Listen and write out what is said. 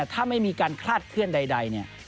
ถ้าขึ้นใดเนี่ย